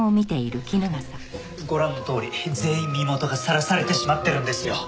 ご覧のとおり全員身元が晒されてしまってるんですよ。